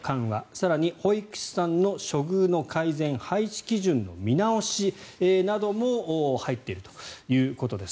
更に、保育士さんの処遇の改善配置基準の見直しなども入っているということです。